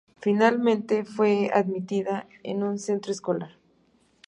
Finalmente fue admitida en un centro escolar.